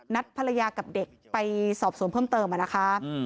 นัดภรรยากับเด็กไปสอบสวมเพิ่มเติมมานะคะอืม